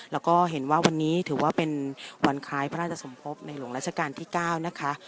แล้วก็เห็นว่าวันนี้ถือว่าเป็นวันคล้ายพระราชสมภพในหลวงราชการที่๙นะคะ